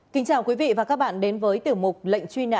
kính chào quý vị và các bạn đến với tiểu mục lệnh truy nã